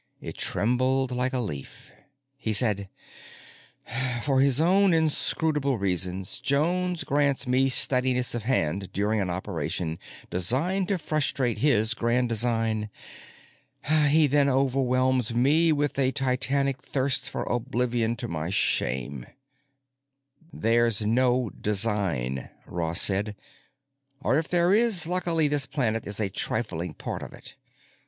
It trembled like a leaf. He said, "For his own inscrutable reason, Jones grants me steadiness of hand during an operation designed to frustrate his grand design. He then overwhelms me with a titanic thirst for oblivion to my shame." "There's no design," Ross said. "Or if there is, luckily this planet is a trifling part of it.